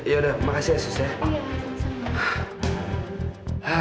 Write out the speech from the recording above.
yaudah makasih ya susta